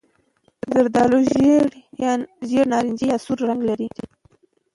زردالو ژېړ نارنجي یا سور رنګ لري.